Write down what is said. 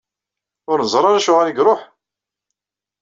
Ur neẓri ara acuɣer i iṛuḥ?